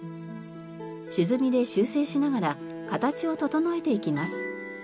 朱墨で修正しながら形を整えていきます。